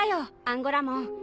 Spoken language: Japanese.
アンゴラモン。